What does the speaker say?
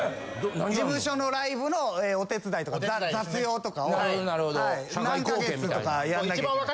事務所のライブのお手伝いとか雑用とかを何か月とかやんなきゃいけない。